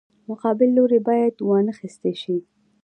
مقابل لوری باید وانخیستی شي.